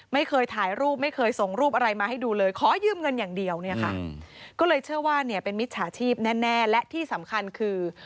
ไม่เคยถ่ายรูปไม่เคยส่งรูปอะไรมาให้ดูเลยขอยืมเงินอย่างเดียวเนี่ยค่ะก็เลยเชื่อว่าเนี่ยเป็นมิจฉาชีพแน่และที่สำคัญคือ